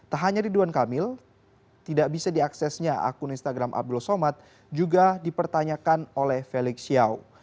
tak hanya ridwan kamil tidak bisa diaksesnya akun instagram abdul somad juga dipertanyakan oleh felixiao